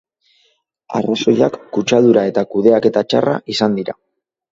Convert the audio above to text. Arrazoiak kutsadura eta kudeaketa txarra izan dira.